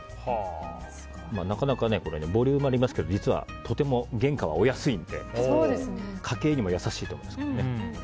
なかなかボリュームありますが実はとても原価はお安いので家計にも優しいと思います。